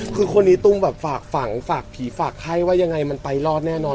คือคนนี้ตุ้มแบบฝากฝังฝากผีฝากไข้ว่ายังไงมันไปรอดแน่นอน